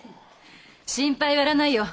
心配はいらないよ。